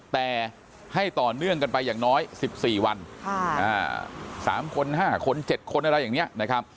แต่ให้ต่อเนื่องกันไปอย่างน้อย๑๔วัน๓คน๕คน๗คนอะไรอย่างนี้นะครับ